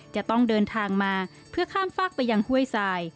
จะต้องเดินทางมาเพื่อข้ามฝากไปยังห้วยทราย